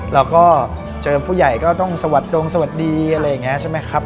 เราก็เจอผู้ใหญ่ก็ต้องสวัสดีอะไรอย่างนี้ใช่ไหมครับ